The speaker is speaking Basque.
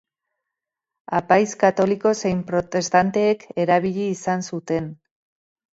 Apaiz katoliko zein protestanteek erabili izan zuten.